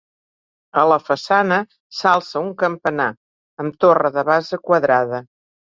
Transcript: A la façana s'alça un campanar, amb torre de base quadrada.